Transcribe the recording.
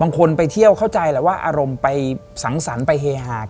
คนไปเที่ยวเข้าใจแหละว่าอารมณ์ไปสังสรรค์ไปเฮฮา